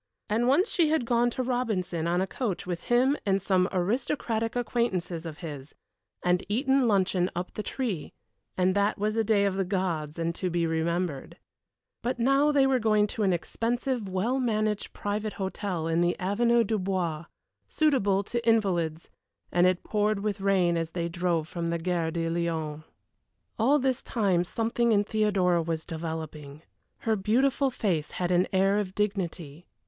And once she had gone to Robinson on a coach with him and some aristocratic acquaintances of his, and eaten luncheon up the tree, and that was a day of the gods and to be remembered. But now they were going to an expensive, well managed private hotel in the Avenue du Bois, suitable to invalids, and it poured with rain as they drove from the Gare de Lyon. [Illustration: "She Wondered What Love Was."] All this time something in Theodora was developing. Her beautiful face had an air of dignity.